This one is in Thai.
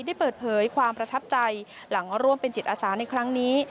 ได้เปิดเผยความประทับใจหลังร่วมเป็นจิตอาสาในครั้งนี้